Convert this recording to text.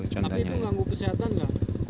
tapi itu ganggu kesehatan nggak